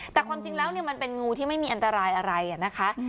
แต่ความจริงแล้วมันเป็นงูที่ไม่มีอันตรายอะไรนะคะ